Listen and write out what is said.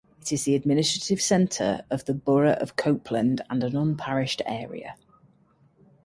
It is the administrative centre of the Borough of Copeland and an unparished area.